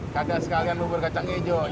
kagak sekalian bubur kacang hijau